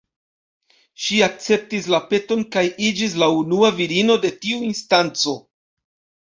Ŝi akceptis la peton kaj iĝis la unua virino de tiu instanco.